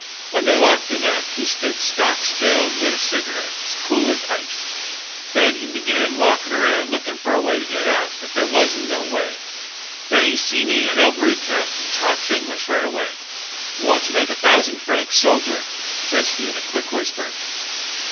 "When they locked him up he stood stock still and lit a cigarette, as cool as ice. Then he begun walkin' around looking for a way to get out; but there wasn't no way. "Then he seen me and over he comes and talks English right away: 'Want to make a thousand francs, soldier?' sez he in a quick whisper.